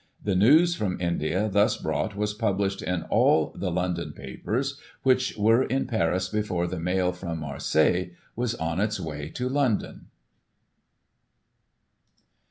The news from India thus brought, was published in all the London papers, which were in Paris before the Mail from Marseilles was on its way to London.